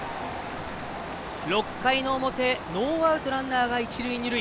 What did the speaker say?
６回の表、ノーアウトランナーが一塁二塁。